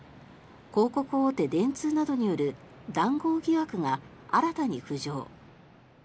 広告大手、電通などによる談合疑惑が新たに浮上。